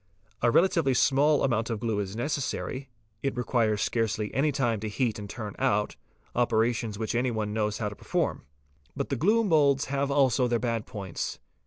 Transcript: A relatively small amount of glue is neces sary, 1t requires scarcely any time to heat and turn out, operations which any one knows how to perform. But glue moulds have also their bad points.